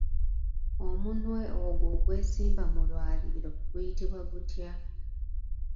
Omunwe ogwo ogwesimba mu lwaliiro guyitibwa gutya?